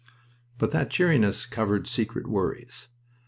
But that cheeriness covered secret worries.